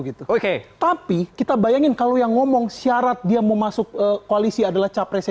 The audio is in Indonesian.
gitu oke tapi kita bayangin kalau yang ngomong syarat dia mau masuk koalisi adalah capresnya